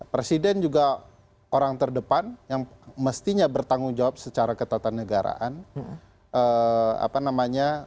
presiden juga orang terdepan yang mestinya bertanggung jawab secara ketatanegaraan